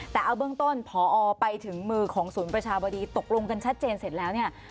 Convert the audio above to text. แต่เอาเบื้องต้นพอไปถึงมือของศูนย์ประชาบดีตกลงกันชัดเจนเสร็จแล้วเนี่ย